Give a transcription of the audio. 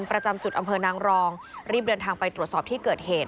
ประจำจุดอำเภอนางรองรีบเดินทางไปตรวจสอบที่เกิดเหตุ